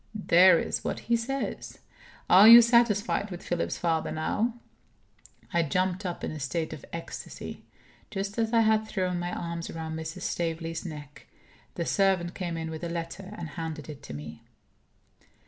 There is what he says. Are you satisfied with Philip's father, now?" I jumped up in a state of ecstasy. Just as I had thrown my arms round Mrs. Staveley's neck, the servant came in with a letter, and handed it to me.